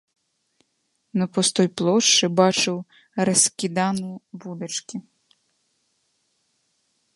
На пустой плошчы бачыў раскіданыя вудачкі.